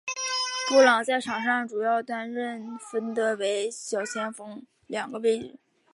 布朗在场上主要担任得分后卫和小前锋两个位置。